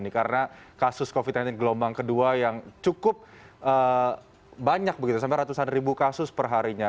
karena kasus covid sembilan belas gelombang kedua yang cukup banyak sampai ratusan ribu kasus perharinya